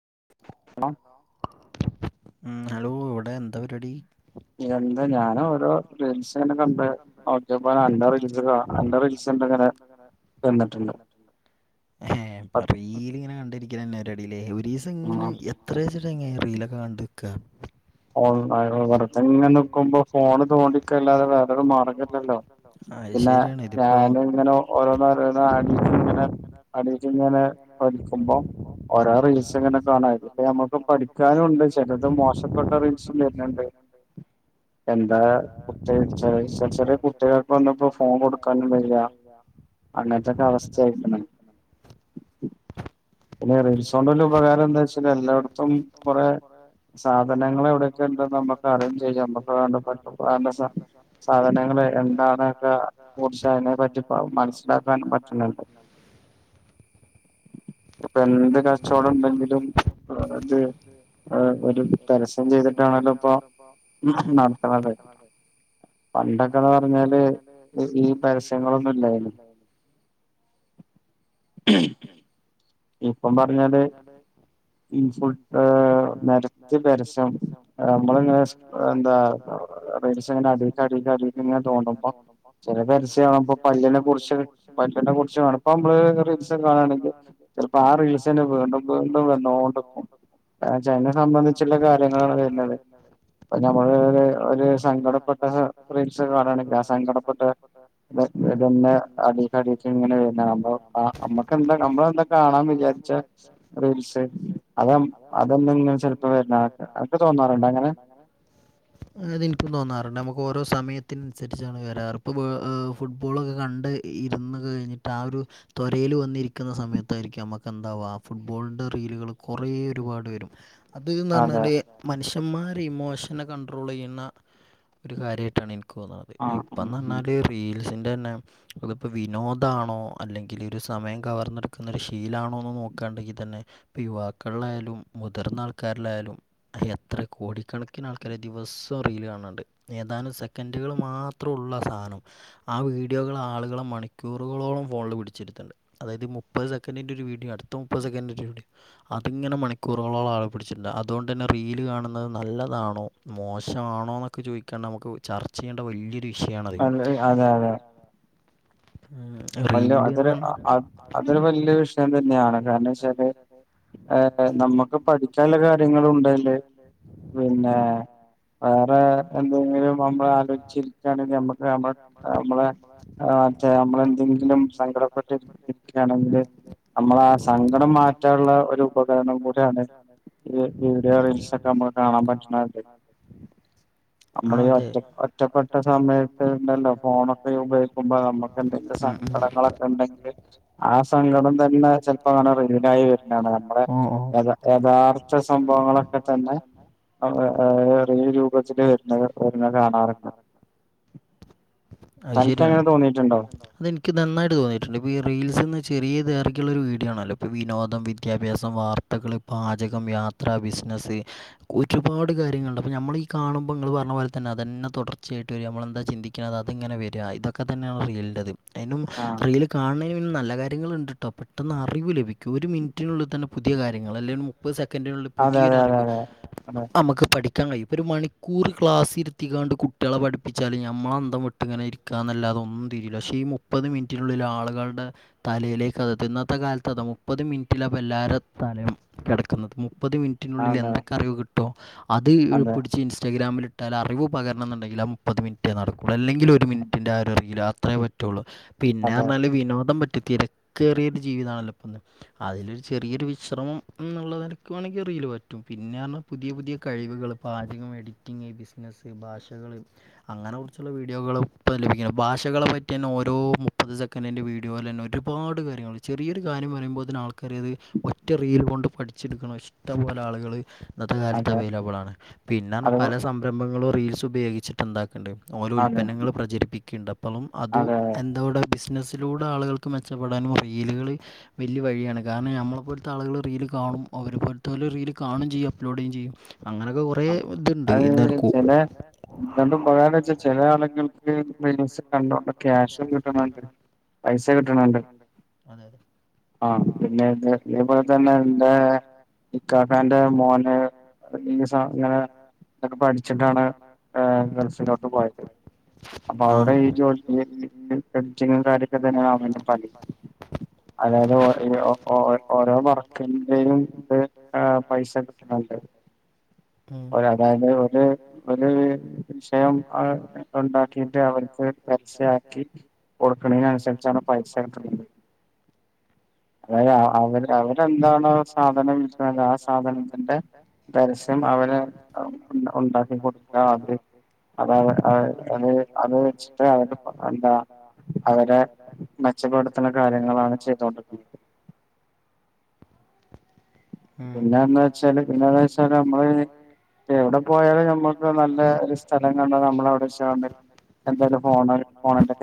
[unintelligible] ആലോ ഇവടെ എന്താ പരിപാടി. ഇതെന്താ ഞാൻ ഓരോ രജിസ്റ്റർ കംപേറ് നോക്കിപ്പോ അന്റെ രജിസ്റ്റർ കാണാ അന്റെ രജിസ്റ്റർ [unintelligible] ഹേ പ്പറില് ഇങ്ങനെ കണ്ടിരിക്കന്നെ അടില് ഒര് രിസം ഇങ്ങനെ എത്രവെച്ചിട്ടേ ഇ റീലോക്കേ കണ്ടിക്കാ ഓ [unintelligible] ഇങ്ങനെ നിക്കുമ്പോ ഫോണ് തോണ്ടിക്കെല്ലാതെ വേറൊര് മാർഗം ഇല്ലാല്ലോ. പിന്നെ ഞാന് ഇങ്ങനെ ഓരോന്ന് ഓരോന്ന് [unintelligible] ഇങ്ങനെ [unintelligible] ഇങ്ങനെ ഠിക്ക്മ്പോ ഓരോ റീൽസ് ഇങ്ങനെ കാണുര്ന്ന് നമക്ക് പഠിക്കാനുയോണ്ട് ചെലത് മോശം നോട്ട് അറേഞ്ജ്ഡ് എന്നു പറഞ്ഞാണ്ട് എന്താ [unintelligible] ഫോൺ കൊടാക്കാനൊപ്പം ഇല്ല അങ്ങനത്തൊക്കെ അവസ്ഥയ. [unintelligible] ഇപ്പം വൊറെ എന്താെ വെച്ചാല് എല്ലായെടാത്തും കൊറെ സാ സാധനങ്ങൾ എവടെയൊക്കെ ഉണ്ടെന്ന് നമ്മക്ക് അറെന്ന്ജ് ചെയ്യാം നമക്ക് [unintelligible] സാധനങ്ങള് എന്താന്നൊക്കെ കുറിച്ച് അയിനെ പറ്റി മ മനസ്സിലാക്കാൻ പറ്റാണോണ്ട്. ഇപ്പൊ എന്ത് ക റച്ചോടും ഒണ്ടെങ്കിലും അത് ആ ഒരു പരസ്യം ചെയ്തിട്ടാണല്ലോ ഇപ്പം നടത്തണത്. പണ്ടൊക്കെന്ന് പറഞ്ഞാല് ഈ പരസ്യങ്ങളൊന്നും ഇല്ലാര് [unintelligible] ഇപ്പം പറഞ്ഞാല് [unintelligible] നേരത്തി പരസ്യം നമ്മളങ്ങനെ എന്താ [unintelligible] ഇങ്ങനെ [unintelligible] ചെല പരസ്യയമ്പോ പല്ലിനെ കുറിച്ച് പല്ലിനെ കുറച്ച് കാണം ഇപ്പം നമ്മള് ഒര് റീൽസ് കാണയാണെങ്കി ആ റീൽസ് തന്നെ വീണ്ടും വീണ്ടും വന്നേതൊണ്ടിക്കു ചേനെ സംബന്ധിച്ചോള്ള കാര്യങ്ങളാണ് വേര്ന്നത് [inaudible] ഇപ്പൊ നമ്മള് ഒര് സങ്കടപ്പെട്ട റീൽസ് കാണണെങ്കി ആ സങ്കടപ്പെട്ടേ ഇതന്നെ ആലോയിച്ചാലോയിച്ചങ്ങനെ നമ്മക്ക് എന്താ നമ്മളേ എന്താ വിചാരിച്ച റീൽസ് അതം [unintelligible] വേരാറോണ്ടാ അതോക്കേ തോന്നാറോണ്ട അതെനിക്കും തോന്നാറുണ്ട് നമ്മ ഓരോ സമയത്തിനനുസരിച്ചാണ് വെരാറ് ഇപ്പോ വെ ഫുട്ബോളൊക്കെ കണ്ട് ഇര്ന്ന് കഴിഞ്ഞിട്ട് ആ ഒര് തേരെല് വന്നിരിക്ക്ന്നാ സമയത്തായിരിക്കും നമ്മ എന്താവാ ഫുട്ബോളിൻന്റെ റീല്കള് കൊറേ ഒരുപാട് വെരും അത് എന്നറഞ്ഞാല് മനുഷ്യ മാറി ഇമോഷൺന കണ്ട്രോൾ ചെയ്യുന്നാ ഒര് കാര്യായിട്ടാണ് എനി [unintelligible] ഇപ്പം എന്നറഞ്ഞാല് റീല് ത്തിന്റെ തന്നെ ഇതിപ്പോം വിനോദാണോ അല്ലെങ്കില് ഒര് സമയം കവർന്നെട്ക്കുന്നാ ശീലാണ നോക്കാണ്ടാങ്കി തന്നെ ഇപ്പം യുവാക്കളിലായാലും മുതിർന്ന ആൾക്കാരിലായാലും എത്ര കൊ ടിക്കണക്കിന് ആൾക്കാര് ദെവസോം റീല് കാണോണ്ട് ഏതാനും സെക്കൻഡ്കള് മാത്ര ഒള്ളാ സാനം ആ വീഡിയോകള് ആളുകളെ മണിക്കൂറുകളോളം ഫോണില് പിടിച്ച്ര്ത്തോണ്ട് അതായത് മുപ്പത് സെക്കൻറിന്റെ ഒര് വി ഇനി അടുത്താ മുപ്പത് സെക്കൻഡ് കൂടി അതിങ്ങനെ മണിക്കൂറോളോളം ആളോ പിടിച്ചിട്ടോണ്ട് അത് കൊണ്ട് തന്നെ റീല് കാണ്ന്നത് ന നല്ലതാണോ മോശമാണോ എന്നൊക്കെ ചോദിക്കാണ്ടോ നമക്ക് ചർച്ച ചെയ്യേണ്ട വല്ല്യായൊരു വി [unintelligible] അതെ അതെ. [unintelligible] അതൊര് അതൊര് അത് അതൊര് വല്ല്യായ വിഷയം ത തന്നെയാണ് കാരണം വെച്ചാല് യെ യെ നമക്ക് പഠിക്കാനൊള്ള കാര്യങ്ങള് ഉണ്ടേയ്ല് പിന്നെ വേറെ എന്തെങ്കിലും നമ്മള് ആലോചിച്ചിരിക്കയാണെങ്കി നമ്മക്ക് നമ്മളേ നമ്മളെ യെ യെ നമ്മളെന്തെങ്കിലും സങ്കടപ്പെട്ടിരിക്കയാണെങ്കില് നമ്മളെ ആ സങ്കടം മാറ്റാനെള്ള ഒര് ഉപകരണം കൂടെയാണ് ഈ വീഡിയോ റീൽസൊക്കെ നമ്മള് നമ്മള് കാണാൻ പറ്റ്ണ നമ്മളി ഒറ്റ ഒറ്റപ്പെട്ട സമയത്ത്ണ്ടല്ലോ ഫോണൊക്കെ ഉപയോഗിക്കുമ്പോ നമ്മക്ക് എന്തെങ്കിലു സ സങ്കടങ്ങളൊക്കെണ്ടെങ്കിൽ ആ സങ്കടം തന്നെ ചെല്പ്ങ്ങനെ റന്യൂവിനായി വരുന്നാണ് നമ്മടെ യഥാർത്ഥ സംഭവങ്ങളൊക്കെ തന്നെ [unintelligible] രൂപത്തില് വരു, ന്ന വരുന്ന കാണാറുണ്ട് തലക്കങ്ങനെ തോന്നിയിട്ടുണ്ടോ തോന്നിയിട്ട്ണ്ട് വി റീൽസ് ചെറ്യേയതാ റി റ്റുള്ളൊരു വീടിയണല്ലോപ്പ വിനോദം വിദ്യാഭ്യാസം വാർത്തകള് പാചകം യാത്ര ബിസിനസ്സ് ക്കൊരുപാട് കാര്യങ്ങളണ്ട് അപ്പ നമ്മൾ ഈ കാണുമ്പോ ഇങ്ങള് പറഞ്ഞ പോലെ തന്നെ അതന്നെ തൊടർച്ചയായിട്ട് വര നമ്മളെന്താ ചിന്തിക്കാതെ അതിങ്ങനെ വര ഇതൊക്കെ തന്നേണല്ലൊ [unintelligible] അയ്നും റീല് കാണ്നേന് നല്ല കാര്യങ്ങള്ണ്ട് പ പെട്ടെന്ന് അറിവ് ലഭിക്കും ഒരു മിൻറ്റിനുള് തന്നെ പുതിയ കാര്യങ്ങൾ അല്ലെങ്ക മുപ്പത് സെക്ക ക്കെൻ്റെയുള്ള് പുതിയൊരറിവ് അമ്മക്ക് പഠിക്കാൻ കയ്യും ഒരു മണിക്കൂർ ക്ലാസ് ഇരുത്തിക്കാണ്ട് കുട്ട്യേളെ പഠിപ്പിച്ചാലും ഞമ്മൾ അന്തം വിട്ട് ഇങ്ങനെ ഇരിക്കാ എന്നല്ലാതൊന്ന് തിരിയില. പക്ഷേ ഈ മുപ്പത് മിനിറ്റിനുള്ളിൽ ആളുകളുടെ തലയിലേക് ക്കത് എത്തും. ഇന്നത്തെ കാലത്ത് അത മുപ്പത് മിനിറ്റിലാ ഇപ്പ എല്ലാരെ തലം കെടക്കുന്നത് മു മുപ്പത് മിനിറ്റിനുള്ളിൽ എന്തൊക്കെ അറിവ് കിട്ടോ അത് പിടിച്ച് ഇൻസ്റ്റാഗ്രാമിലി ട്ടാൽ അറിവ് പകരണം എന്നുണ്ടെങ്കിൽ ആ മുപ്പത് മിനിറ്റേ നടക്കുള്ളൂ. അല്ലെങ്കിൽ ഒരു മിനിൻ്റെ ആരൊ റീല അത്രയേ പറ്റൊള്ളു. പിന്നെ അർഞ്ഞാല് വിനോദം [unintelligible] കേറിയൊരു ജീവിതാണല്ലപ്പം. അതിലൊരു ചെറിയൊരു വിശ്രമം എന്നുള്ള നെലക്ക് വേണെങ്കിൽ ഒരു റീൽ പറ്റും പി പിന്നെ പറഞ്ഞാൽ പുതിയ പുതിയ കഴിവുകൾ പാചകം, എഡിറ്റിംങ്, ബിസിനസ്സ്, ഭാഷകള് അങ്ങനെ വീഡിയോകൾ ഇപ്പം ലഭിക്കുന്നത്. ഭാഷകളെ പറ്റിയന്നെ ഓരോ മുപ്പത് സെക്കൻഡിൻ്റെ വീഡിയോയിലന്നെ ഒരുപാട് കാര്യങ്ങള് ചെറിയൊരു കാര്യം പറയുമ്പോത്തിന് ആൾക്കാർ അത് ഒറ്റ റീൽ കൊണ്ട് പഠിച്ചെടുക്കണ ഇഷ്ടംപോലെ ആളുകള് ഇന്നത്തെ കാലത്ത് അവൈലബിൾ ആണ്. പിന്നർഞ്ഞ പല സംരംഭങ്ങളും റീൽസ് ഉപയോഗിച്ചിട്ട് ഇണ്ടാ ണ്ട്. ഓരോ ഉൽപന്നങ്ങൾ പ്രചരിപ്പിക്കിണ്ട്. അപ്പം അതു എന്തോടെ ബിസിനസ്സിലൂടെ ആളുകൾക്ക് മെച്ചപ് പെടാനും റീലുകള് വലിയ വഴിയാണ്. കാരണം ഞമ്മളെപ്പോലത്തെ ആളുകൾ റീൽ കാണും. അവര് പോലത്തോല് റീ കാണും ചെയ്യും അപ്ലോഡയും ചെയ്യും. ഇപ്പ കൊറേ ഇതുണ്ട്. ഇന്നട്ക്കു എന്താണ്ടും ഉപകാരച്ച ചെല ആളുകൾക്ക് [unintelligible] ക്യാഷ് കിട്ടണ പൈസ കിട്ടണണ്ട്. അതെ ആഹ് പിന്നെ ഇത് ഇതേപോലെ തന്നെ ഇന്റെ ഇക്കാക്കാന്റെ മോന് അ [unintelligible] ഇങ്ങനെ ഒക്കെ പഠിച്ചിട്ടാണ് ഏഹ് ഗൾഫിലോട്ട് പോയത്. അപ്പൊ അവിടെ ഈ [unintelligible] അതായത് [unintelligible] ഓരോ വർക്കിന്റെയും ഇത് പൈസ കിട്ട്ണെ. [unintelligible] ഒര് അതായത് ഒരു ഒരു വിഷയം അഹ് ഉണ്ടാക്കിയിട്ട് അവ അവർക്കത് പരസ്യമാക്കി കൊടുക്കണതിന് അനുസരിച്ചാണ് പൈസ കിട്ടണത് അതായത് അവര് അവരെന്താണോ സാധനം വിൽക്കുന്നത് ആ സാധനത്തിന്റെ പര പരസ്യം അവര് ഉണ്ടാക്കി കൊടുത്താൽ അത് അതാ അത് അത് വെച്ചിട്ട് അവര് എന്താ അവരെ മെച്ചപ്പെടുത്തുന്ന കാര്യങ്ങളാണ് ചെയ്തോണ്ടെക്കെ ഇരിക്കുന്നത് പിന്നെ എന്ന് വച്ചാല് പിന്നെന്ന് വെച്ചാല് നമ്മള് എവിടെ പോയാലും നമ്മുക്ക് നല്ല ഒരു സ്ഥലം കണ്ടാ നമ്മളവിടെ [unintelligible] എന്തേലും ഫോണ് ഫോണിന്റെ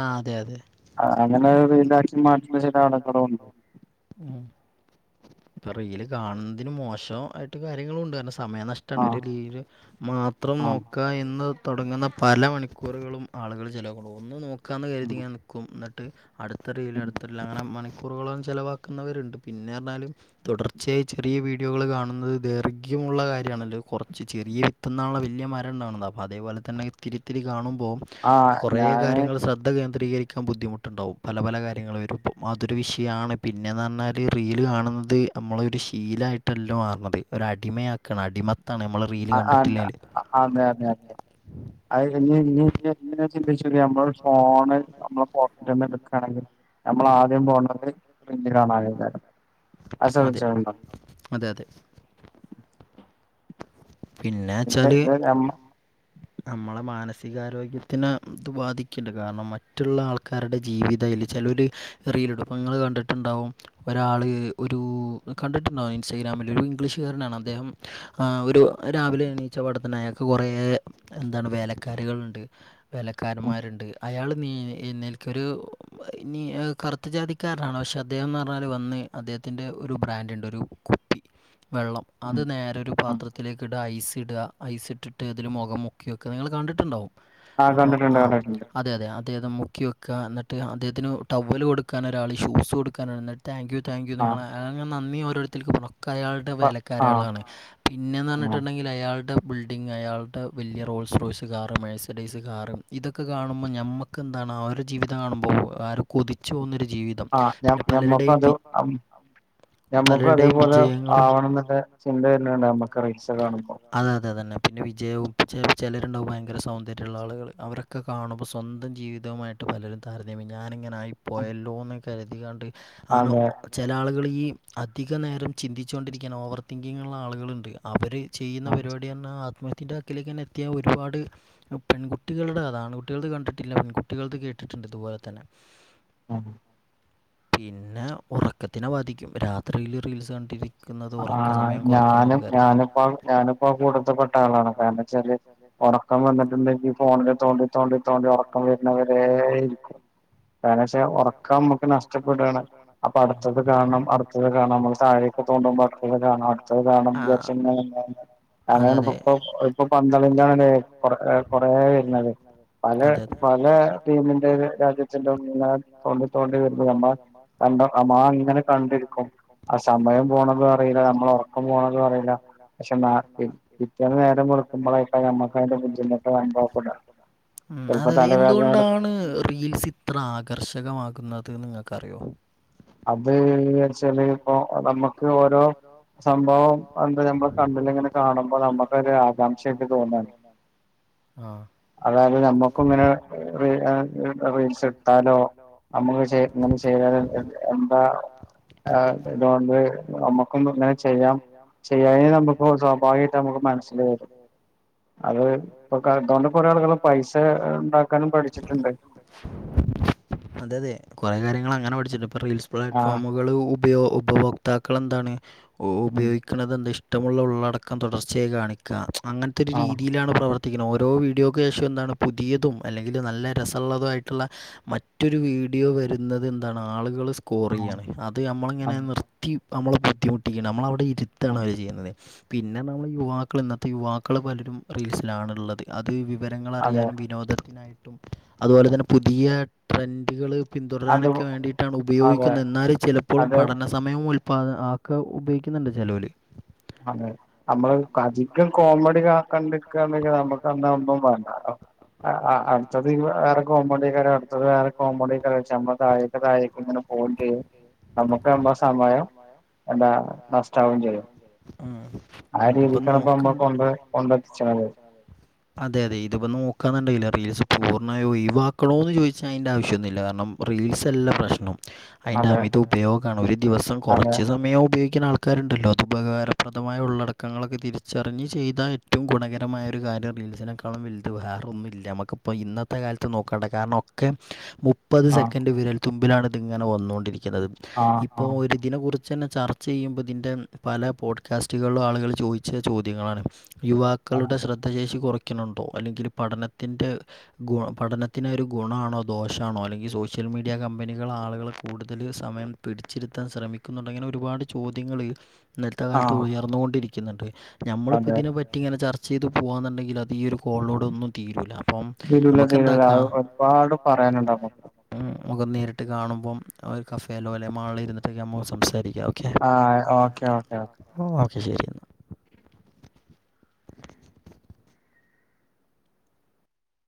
ആ അതെ അതെ [unintelligible] ഉം പിറകില് കാണുന്നതിന് മോശം ആയിട്ട് കാര്യങ്ങളും ഉണ്ട് കാരണം സമയനഷ്ടമാണ് ഒരു രീതിയില് മാത്രം നോക്കുക എന്ന് തുടങ്ങുന്ന പല മണിക്കൂറുകളും ആളുകൾ ചിലവുണ്ട് ഒന്ന് നോക്കാന്ന് കരുതി ഇങ്ങനെ നിൽക്കും എന്നിട്ട് അടുത്ത റീല് അടുത്തല്ല അങ്ങനെ മണി ക്കൂറുകളോളം ചെിലവാക്കുന്നവരുണ്ട് പിന്നെ പറഞ്ഞാലും തുടർച്ചയായി ചെറിയ വീഡിയോകള് കാണുന്നത് ദൈർഘ്യം ഉള്ള കാര്യമാണല്ലോ കുറച്ച് ചെറിയ വിത്തുന്നാണല്ലോ വല്ല്യ മരം ഉണ്ടാവുന്നത് അപ്പൊ അതേപോലെ ലെ തന്നെ ഇത്തിരി ഇത്തിരി കാണുമ്പോ കുറേ കാര്യങ്ങൾ ശ്രദ്ധ കേ ന്ദ്രീകരിക്കാൻ ബുദ്ധിമുട്ടുണ്ടാവും പല പല കാര്യങ്ങൾ വരുമ്പോൾ അതൊരു വിഷയമാണ് പിന്നെന്ന് പറഞ്ഞാൽ റീൽ കാണു ന്നത് നമ്മടെ ഒരു ശീലായിട്ടല്ല മാറണത് ഒരു അടിമയാക്കുവാണ് അടിമ ത്താണ് നമ്മള് റീല് കണ്ടിട്ടില്ലേല് അ ഇനി ഇനി ഇങ്ങനെ ചിന്തിച്ച് നമ്മടെ ഫോണ് നമ്മടെ പോക്കറ്റീന്ന് എടുക്കയാണെങ്കിൽ നമ്മള് ആദ്യം പോണത് റീല് കാണാനായിരിക്കും അത് ശ്രദ്ധിച്ചിട്ടുണ്ടോ [unintelligible] പിന്നെ വെച്ചാല് നമ്മളെ മാനസി വികാരോഗ്യത്തിന് ഇത് ബാധിക്കണ്ട് കാരണം മറ്റുള്ള ആൾക്കാരുടെ ജീവിതൽ ചിലര് ടും ഇങ്ങള് കണ്ടിട്ടുണ്ടാവും ഒരാള് ഒരു കണ്ടിട്ടുണ്ടാാവും ഇൻസ്റ്റാഗ്രാമിൽ ഇംഗ്ലീഷ് കാരനാ അദ്ദേഹം ആ ഒരു രാവിലെ എണീച്ച പാടതന്നെ അയാക്ക് കൊറേ എന്താണ് വേലക്കാരികള്ണ്ട് വേലക്കാരന്മാര്ണ്ട് അയാള് നീ എയ്ന്നേൽക്കൊരു വറിനി അഹ് കറ്ത്തജാതിക്കാരനാണോ പക്ഷെ അദ്ദേഹം ന്നർഞ്ഞാല് വന്ന് അദ്ദേഹത്തിൻ്റെ ഒരു ബ്രാൻഡ് ണ്ട് ഒരു കു ഉ [unintelligible] വെള്ളം അത് നേരൊരു പാത്രത്തിലേക്ക് ഇട ഐസ് ഇട ഐസ് ഇട്ടിട്ട് അതില് മൊഖം മുക്കിവെ നിങ്ങൾ കണ്ടിട്ടുണ്ടാവും അപ്പോൊ ആ അതെ അതെ അതെതെ മുക്കി വെക്ക എന്നിട്ട് അദ്ദേഹത്തിന് ടവ്വല് കൊടുക്കാനൊരാള് ഷൂസ് കൊടുക്കാന് ന്നിട്ട് താങ്ക് യു താങ്ക് യു നിങ്ങളെ അങ്ങനെ നന്ദി ഓരോരുത്തര്ക്ക് പൊക്കെ അയാളുടെ വേലക്കാരയാളാണ് പിന്നെന്ന ർഞ്ഞിട്ടുണ്ടെങ്കിൽ അയാള്ടെ ബിൽഡിംഗ് അയാളുടെ വലിയ റോൾസ് റോയ്സ് കാർ മേഴ്ഡൈസ് കാർും ഇതൊക്കെ കാണുമ്പോൾ ഞമ്മക്ക് ന്താണ് ആ ഒരു ജീവിത കാണുമ്പോൾ ആരും കൊതിചോവുന്ന ആഹ ഞാ ഞമ്മക്കു അത് ഞമ്മക്കും അതേപോലെ ആവണന്ന്ള്ള ചിന്ത [unintelligible] അത അതന്നെ പിന്നെ വിജയവും ചെലര്ണ്ടാവും ഭയങ്കര സൗന്ദര്യള്ള ആളുകള് അവരക്കെ കാണുമ്പൾ സ്വന്തം ജീവിതം തമായിട്ട് പലരും താരതമ്യം ഞാന് ഇങ്ങനായി പോയല്ലോന്ന് കരുതികാണ്ട് ആന് ചെല ആളുകള് ഈ അധിക നേരം ചിന്തിച്ചുകൊണ്ടിരിക്കാണ് ഓവർ തിങ്കിങ് ഉള്ള ആളുകളുണ്ട് അവര് ചെയ്യുന്ന പരിപാടിയാണ് ആത്മഹത് ത്തിൻ്റെ അക്കിലേകന്നെ എത്തിയ ഒരുപാട് പെൺകുട്ടികള്ടെ കഥ ആൺകുട്ടികൾത് കണ്ടിട്ടില്ല പെൺകട്ടികള്ത് കേട്ടിട്ട് തുപോലെ തന്നെ ആഹ പിന്നെ ഉറക്കത്തിനെ ബാധിക്കും രാത്രിയില് റീൽസ് കണ്ടിരി ആ ഞാനും ഞാനും പ്പ ഞാനിപ്പം കൂടത്പ്പെട്ട ആളാണ് കാരണം വെച്ചാല് ഒറക്കം വന്നിട്ടുണ്ടെങ്കിൽ ഫോണില് തോണ്ടി തോണ്ടി ത്തോണ്ടി തോണ്ട് ഒറക്കം വര്ണെ വരെ കാരണച്ച ഒറക്കം മക്ക് നഷ്ടപ്പെടാണ് അപ്പൊ അടുത്തത് കാണണം അടുത്തത് കാണാം നമ്മള് താഴെക് തൊണ്ടുമ്പോ അട്ത്തത് കാണാ അട്ത്തത് കാണും വിചാരിചന്നെ അതെ അതെ പല പല തീമിന്റെത് രാജ്യത്തിന്റെതുംങ്ങനെ തോണ്ടി തോണ്ടി വരുന്നത് നമ്മളെ മാ ഇങ്ങനെ കണ്ടിരിക്കും ആ സമയം പോണതും അറീല്ല നമ്മളെ ഒർക്കം പോണതും അറീല്ല പക്ഷെ നാ പി പിറ്റേന്ന് നേരം വെളുക്കുമ്പോളയ്ക്കാരം ഞമ്മക് [unintelligible] ഉം അതതെ എന്തുകൊണ്ടാണ് റീൽസ് ഇത്ര ആകർഷകമാകുന്നത് നിങ്ങൾക്കറിയോ അത് ച്ചല് ഇപ്പൊ നമുക്ക് ഓരോ സംഭവം എന്ത ന കണ്ടില ഇങ്ങനെ കാണുമ്പോ നമ്മുൊ ഒരു ആകാംക്ഷയായിട്ട് തോന്നാണ് ആഹ അതായത് നമ്മക്കുംങ്ങനെ റി റീൽസ് ഇട്ത്താലോ നമ്മക്ക് ചെയ് ഇങ്ങനെ ചെയ് തൽ എന്താ ആ തോണ്ട് നമ്മുക്കുന്നങ്ങനെ ചെയ്യാ ചെയ്യ അയിന് നമുക്കും സ്വാഭാവികായിട്ട് നമ്ക്ക് മനസ്സില് വരും അത് [unintelligible] അതതെ കൊറേ നേരങ്ങള് അങ്ങനെ പഠിച്ചല്ലോ ഇപ്പൊ റീൽസ് പ്ലാറ്റ്ഫോമുകൾ ഉപയ ഉപഭോക്താക്കൾ എന്താണ് ഓ ഉപയോഗിക്ണതെന്ദ് ഇഷ്ടമുള്ള ഉള്ളടക്കം തുടർച്ചയായി കാണിക്ക അങ്ങൻതൊരു രീതിയിലാണ് പ്രവർ പ ഓരോ വീഡിയോക്ക് ശേഷം എന്താണ് പുതിയതും അല്ലെങ്കിൽ നല്ല രസമുള്ളത ആട്ടുള്ള മറ്റൊരു വീഡിയോ വരുന്നത് എന്താണ് ആളുകൾ സ്കോറെയ്യാണ് അത് നമ്മളിങ്ങനെ നിർത്തി നമ്മളെ ബുദ്ധിമുട്ടിക്കാണ് നമ്മളെ അവിടെ ഇരുത്താണ് അവർ ചെയ്യുന്നത് പിന്നെ നമ്മൾ യുവാക്കൾ ഇന്നത്തെ യുവാക്കൾ പലരും റീൽസിലാണ് ഇള്ളത് അത് വിവരങ്ങൾ അറിയാനും വിനോദത്തിനായിട്ടും അതുപോലെ തന്നെ പുതിയ ട്രെൻഡുകൾ പിന്തുടരാനൊക്കെ വേണ്ടിയിട്ടാണ് ഉപയോഗിക്കുന്നത് എന്നാൽ ചിലപ്പോഴും പഠന സമയം അപ്പ അത് അയൊക്കെ ഉപയോഗിക്ക്ന്ന്ണ്ട് ചെലോൽ അതെ നമ്മൾ അധികം കോമഡി കാ കണ്ട്ക്കാന്ന് കഴിഞ്ഞാ നമ്മക്ക് അന്ന് ഒന്നും വേണ്ട അ അ അട്ത്തത് [unintelligible] വേറെ കോമ ഡെയ്ക്കാരം അടുത്തത് വേറെ കോമഡെയ്ക്കാരം ച്ചെ നമ്മ താഴെക്ക് താഴെക്ക് യായ ഇങ്ങനെ പോവ്ണ്ട് നമുക്ക് നമ്മളെ സമയം എന്താ നഷ്ടാവും ചെയ്യും ആ രീതിക്കാണിപ്പം അതെ അതെ ഇതിപ്പോ നോക്കാന്ന്ണ്ടെങ്കിൽ റീൽസ് പൂർണ്ണമായോ ഒഴിവാക്കണോന്ന് ചോയിച്ചാൽ അയിൻ്റെ ആവശ്യ ഒന്നുയില്ല കാരണം റീൽസല്ല പ്രശ്നം അയിന്റെ അമിത ഉപയോഗാണ് ഒരു ദിവസം കൊറച്ച് സമയം ഉപയോഗി ക്ക്ണ ആൾക്കാരുണ്ടല്ലോ അത് ഉപകാരപ്രദമായ ഉള്ളടക്കങ്ങളൊക്കെ തിരി ച്ചറിഞ്ഞ് ചെയ്താ ഏറ്റവും ഗുണകരമായ ഒരു കാര്യം റീൽസിനെക്കാളും വെൽത് വേറൊന്നും ഇല്ല നമ്മക്കിപ്പം ഇന്നത്തെ കാലത്ത് നോക്കണ്ട കാരണം ഒക്കെ മു മുപ്പത് സെക്കൻഡ് വിരൽ തുമ്പിലാണ് ഇതിങ്ങനെ വന്നൊണ്ടിരിക്കുന്നത് ഇപ്പോ ഒരു ഇതിനെ കുറി ച്ചെന്നെ ചർച്ച ചെയ്യുമ്പോ ഇതിൻ്റെ പല പോഡ്കാസ്റ്റുകളിലും ആളുകൾ ചോദിച്ച ചോദ്യങ്ങളാണ് യുവാക്കളുടെ ശ്രദ്ധശേഷി കുറ ക്കിണിണ്ടോ അല്ലെങ്കിൽ പഠനത്തിന്റെ ഗു പഠനത്തിന് ഒരു ഗുണാണോ ദോഷാണോ അല്ലെങ്കിൽ സോഷൽ ൽ മീഡിയ കമ്പനികൾ ആളുകൾ കൂട്തൽ സമയം പിടിച്ചിരുത്താൻ ശ്രമിക്കുന്നുണ്ടോ ഇങ്ങനെ ഒരുപാട് ചോദ്യങ്ങൾ ഇന്നൽത്തെ കാലത്ത് ഉയർന്നോണ്ടിരിക്ക്ന്ന്ണ്ട് ഞമ്മളിപ്പ ഇതിനെപ്പറ്റി ഇങ്ങനെ ചർച്ച ചെയ്ത് പോവാന്ന്ണ്ടെങ്കിൽ അത് ഈ ഒരു കോളിലോടെ ഒന്നും തീരൂല അപ്പം നമുക്ക് എന്താക്കാ അല്ല അയ് ഒരു പാട് പറയാനുണ്ടാകും നമുക്ക് നേരിട്ട് കാണുമ്പം ഒരു കഫേ ആ ഓക്കെ ഓക്കെ ഓക്കെ ശരി എന്നാ